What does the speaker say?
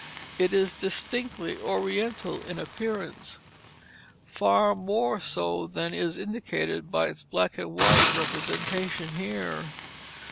It is distinctly Oriental in appearance, far more so than is indicated by its black and white representation here.